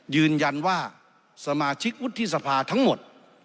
ยืนยันว่าสมาชิกวุฒิสภาทั้งหมด